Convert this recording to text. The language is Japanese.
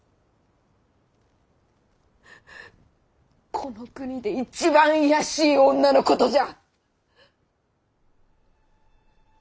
この国で一番卑しい女のことじゃ！